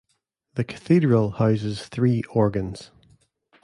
The Cathedral houses three organs.